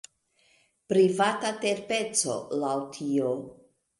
Privata terpeco, laŭ tio.